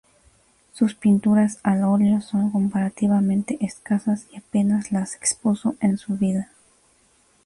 Sus pinturas al óleo son comparativamente escasas y apenas las expuso en vida.